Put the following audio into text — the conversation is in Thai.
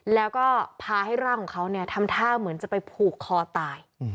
แล้วก็พาให้ร่างของเขาเนี่ยทำท่าเหมือนจะไปผูกคอตาย